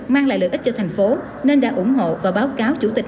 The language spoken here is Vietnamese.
mang lại lợi ích cho thành phố nên đã ủng hộ và báo cáo chủ tịch